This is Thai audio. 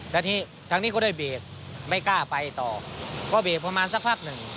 ทางนี้ก็ได้เบียกไม่กล้าไปต่อก็เบียกประมาณสักพักหนึ่ง